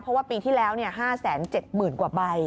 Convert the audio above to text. เพราะว่าปีที่แล้ว๕๗๐๐๐กว่าใบ